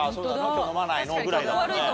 今日飲まないの？」ぐらいだもんね。